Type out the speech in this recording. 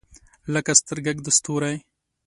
لکه سترګګ د ستوری